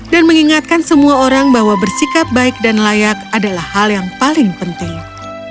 dan mengingatkan semua orang bahwa bersikap baik dan layak adalah hal yang paling penting